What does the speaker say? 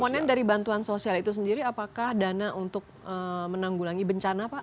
komponen dari bantuan sosial itu sendiri apakah dana untuk menanggulangi bencana pak